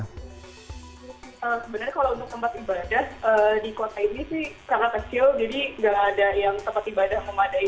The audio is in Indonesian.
sebenarnya kalau untuk tempat ibadah di kota ini sih sangat kecil jadi nggak ada yang tempat ibadah memadai